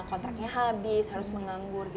kontraknya habis harus menganggur